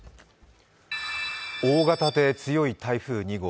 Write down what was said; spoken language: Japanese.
大型で強い台風２号